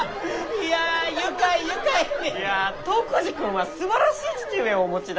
いや篤二君はすばらしい父上をお持ちだ。